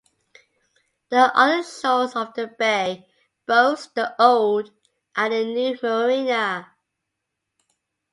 The other shores of the bay boast the old and the new marina.